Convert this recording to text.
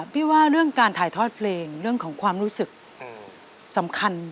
พี่ว่าเรื่องการถ่ายทอดเพลงเรื่องของความรู้สึกสำคัญ